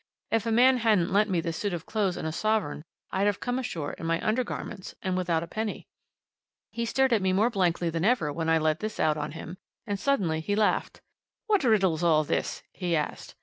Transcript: "If a man hadn't lent me this suit of clothes and a sovereign, I'd have come ashore in my undergarments and without a penny." He stared at me more blankly than ever when I let this out on him, and suddenly he laughed. "What riddle's all this?" he asked.